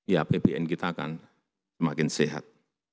ya pbn kita akan semakin sehat